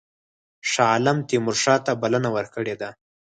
شاه عالم تیمورشاه ته بلنه ورکړې ده.